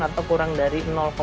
atau kurang dari satu mikron